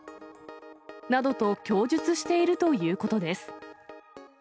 などと供述しているということです。